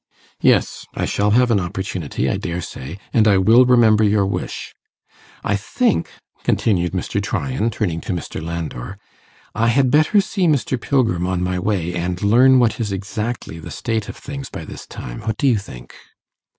'Yes; I shall have an opportunity, I dare say, and I will remember your wish. I think,' continued Mr. Tryan, turning to Mr. Landor, 'I had better see Mr. Pilgrim on my way, and learn what is exactly the state of things by this time. What do you think?